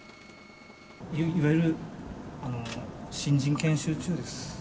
いわゆる新人研修中です。